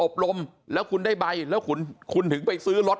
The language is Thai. ลมแล้วคุณได้ใบแล้วคุณถึงไปซื้อรถ